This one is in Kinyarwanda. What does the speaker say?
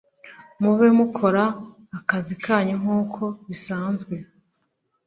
mube mukora akazi kanyu nkuko bisanzwe